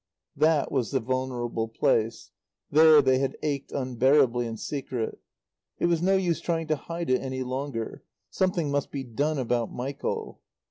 That was the vulnerable place; there they had ached unbearably in secret. It was no use trying to hide it any longer. Something must be done about Michael.